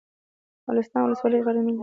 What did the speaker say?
مالستان ولسوالۍ غرنۍ ده؟